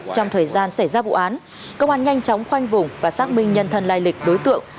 trong thời gian xảy ra vụ án công an nhanh chóng khoanh vùng và xác minh nhân thân lai lịch đối tượng